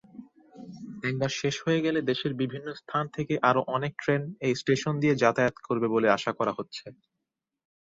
একবার শেষ হয়ে গেলে, দেশের বিভিন্ন স্থান থেকে আরও অনেক ট্রেন এই স্টেশন দিয়ে যাতায়াত করবে বলে আশা করা হচ্ছে।